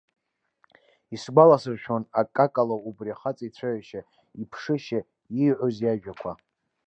Исгәаласыршәон акакала убри ахаҵа ицәажәашьа, иԥшышьа, ииҳәоз иажәақәа.